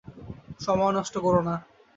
সময় নষ্ট করো না।